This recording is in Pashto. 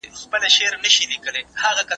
موږ هڅه وکړه چې د شرابو او سګرېټ استعمال کم کړو.